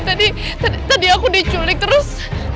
tadi aku diculik terus